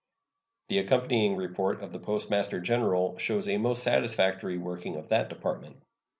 The accompanying report of the Postmaster General shows a most satisfactory working of that Department.